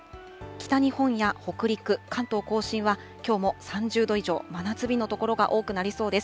北日本や北陸、関東甲信はきょうも３０度以上、真夏日の所が多くなりそうです。